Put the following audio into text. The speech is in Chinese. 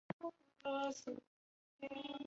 太田川是流经广岛县的一级河川之主流。